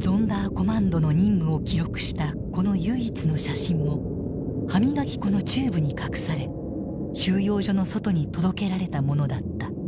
ゾンダーコマンドの任務を記録したこの唯一の写真も歯磨き粉のチューブに隠され収容所の外に届けられたものだった。